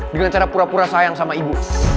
dengan cara pura pura sayang sama ibu